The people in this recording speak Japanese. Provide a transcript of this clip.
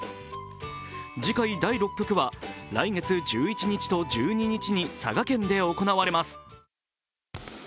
次回、第６局は来月１１日と１２日に佐賀県で行われます。